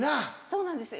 そうなんです